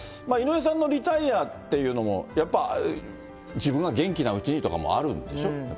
井上さんのリタイアっていうのも、やっぱ自分が元気なうちにとかもあるんでしょう？